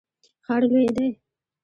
ښار لوی دی